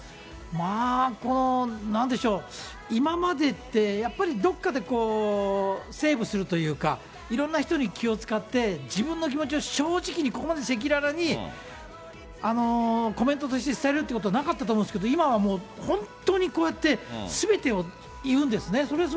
まあ、なんでしょう、今までってやっぱりどっかでセーブするというか、いろんな人に気を遣って、自分の気持ちを正直に、ここまで赤裸々にコメントとして伝えるってことなかったと思うんですけれども、今はもう本当にこうやってすべてを言うんですね。